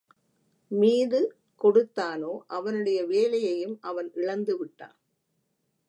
மீது தொடுத்தானோ அவனுடைய வேலையையும் அவன் இழந்து விட்டான்.